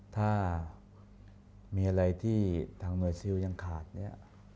ถ้ามีอะไรที่ทางหน่วยซิลยังขาดเนี่ย